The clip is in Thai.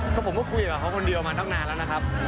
ก็ผมก็คุยกับเขาคนเดียวมาตั้งนานแล้วนะครับ